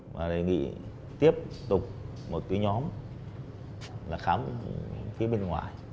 và đề nghị tiếp tục một cái nhóm là khám phía bên ngoài